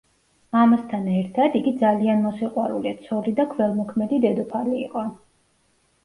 ამასთან ერთად, იგი ძალიან მოსიყვარულე ცოლი და ქველმოქმედი დედოფალი იყო.